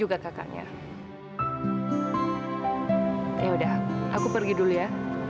aku pergi dulu ya